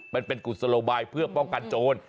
กุศโลบายเพื่อป้องกันโจร